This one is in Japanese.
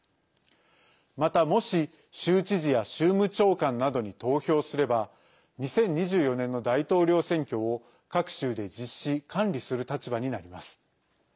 また、もし州知事や州務長官などに投票すれば２０２４年の大統領選挙を各州で実施、管理する立場になります。